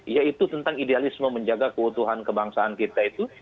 yaitu tentang idealisme menjaga keutuhan kebangsaan kita itu